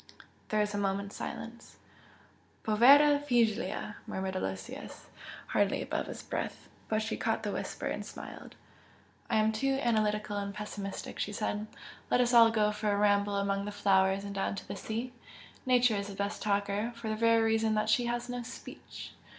There was a moment's silence. "Povera figlia!" murmured Aloysius, hardly above his breath, but she caught the whisper, and smiled. "I am too analytical and pessimistic," she said "Let us all go for a ramble among the flowers and down to the sea! Nature is the best talker, for the very reason that she has no speech!"